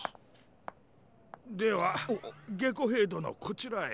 ではゲコヘイどのこちらへ。